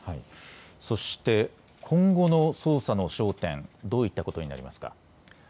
そして今後の捜査の焦点、どういったことになりますか。